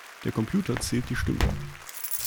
Der Computer zählt die Stimmen.